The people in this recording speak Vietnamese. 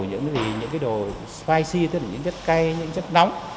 những đồ spicy tức là những chất cay những chất nóng